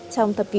trong thập kỷ vật